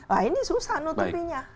wah ini susah nutupinya